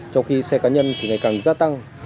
trong khi xe cá nhân thì ngày càng gia tăng